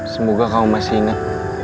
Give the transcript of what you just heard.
semoga kamu masih inget